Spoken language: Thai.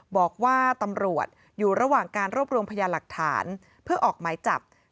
บอกว่าตำรวจอยู่ระหว่างการรวบรวมพยานหลักฐานเพื่อออกหมายจับ